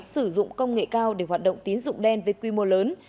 sử dụng công nghệ cao để hoạt động tín dụng đen với quy mô lớn